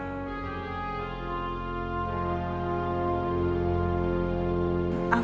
bisa tapi aku gak mau